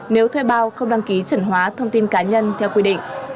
nếu thuê bao không đăng ký chuẩn hóa thông tin cá nhân theo quy định